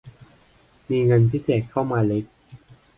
มีเงินพิเศษเข้ามาเล็ก